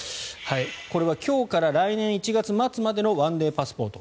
今日から来年１月末までの１デーパスポート。